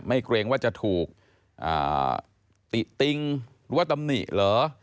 เกรงว่าจะถูกติติงหรือว่าตำหนิเหรอ